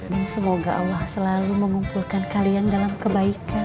dan semoga allah selalu mengumpulkan kalian dalam kebaikan